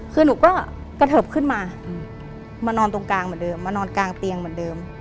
คือหนูก็กระเทิบขึ้นมามานอนตรงกลางเหมือนเดิมมานอนกลางเตียงเหมือนเดิม